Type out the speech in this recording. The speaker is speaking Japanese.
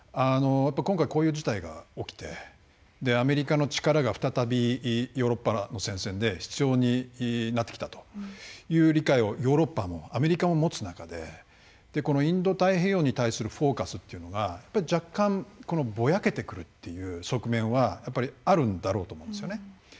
やっぱり今回こういう事態が起きてアメリカの力が再びヨーロッパの戦線で必要になってきたという理解をヨーロッパもアメリカも持つ中でインド太平洋に対するフォーカスというのが若干ぼやけてくるという側面はやっぱりあるんだろうと思うんですよね。